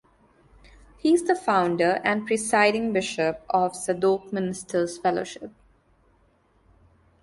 He is the founder and presiding bishop of Zadok Ministers Fellowship.